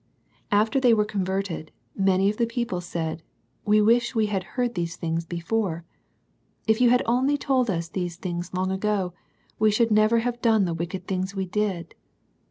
After they were converted, many of the people said, " We wish we had heard these things before I If you had only told us these things long ago, we should never have done the wicked things we did."